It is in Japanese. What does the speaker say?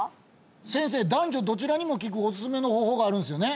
先生男女どちらにも効くおすすめの方法があるんですよね